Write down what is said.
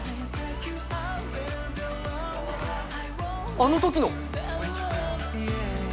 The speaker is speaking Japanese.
あの時の！